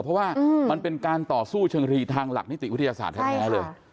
เพราะว่ามันเป็นการต่อสู้เชิงคดีทางหลักนิติวิทยาศาสตร์แท้เลย